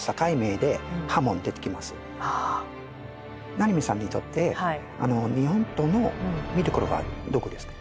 七海さんにとって日本刀の見どころはどこですか？